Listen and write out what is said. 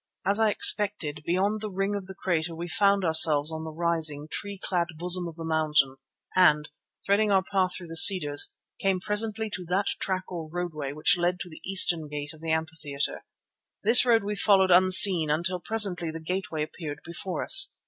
As I expected, beyond the ring of the crater we found ourselves on the rising, tree clad bosom of the mountain and, threading our path through the cedars, came presently to that track or roadway which led to the eastern gate of the amphitheatre. This road we followed unseen until presently the gateway appeared before us.